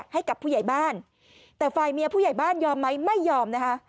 ให้กับผู้ใหญ่บ้านแต่ฝ่ายเมียผู้ใหญ่บ้านยอมไหมไม่ยอมนะคะ